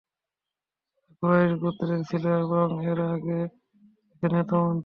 যারা কুরাইশ গোত্রের ছিল এবং এর আগে তাকে নেতা মানত।